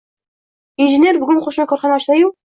injener bugun qo’shma korxona ochsa-yu